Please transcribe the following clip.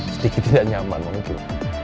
sedikit tidak nyaman mungkin